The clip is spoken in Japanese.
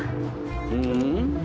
うん？